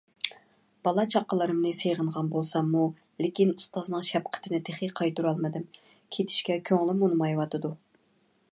بالا - چاقىلىرىمنى سېغىنغان بولساممۇ، لېكىن ئۇستازنىڭ شەپقىتىنى تېخى قايتۇرالمىدىم. كېتىشكە كۆڭلۈم ئۇنىمايۋاتىدۇ.